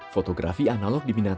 fotografi analog diminatakan